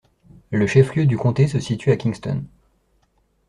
Le chef-lieu du comté se situe à Kingston.